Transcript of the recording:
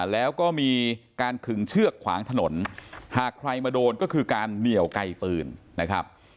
แล้วก็มีการขึงเชือกขวางถนนหากใครมาโดนก็คือการเหนียวไกลปืนนะครับ